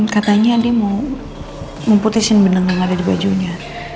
katanya dia mau mempotisin benang yang ada di bajunya